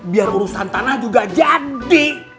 biar urusan tanah juga jadi